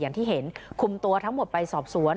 อย่างที่เห็นคุมตัวทั้งหมดไปสอบสวน